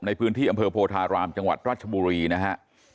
ในพื้นที่อำเภอโพธารามจังหวัดราชบุรีนะฮะ